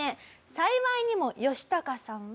幸いにもヨシタカさんは。